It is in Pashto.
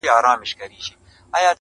د یوې ورځي دي زر ډالره کیږي٫